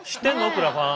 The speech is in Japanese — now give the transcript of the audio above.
クラファン。